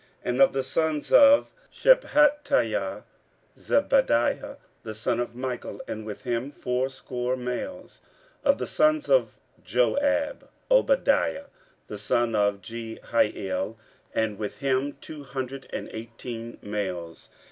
15:008:008 And of the sons of Shephatiah; Zebadiah the son of Michael, and with him fourscore males. 15:008:009 Of the sons of Joab; Obadiah the son of Jehiel, and with him two hundred and eighteen males.